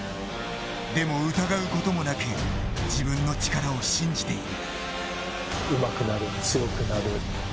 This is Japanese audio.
でも疑うこともなく自分の力を信じている。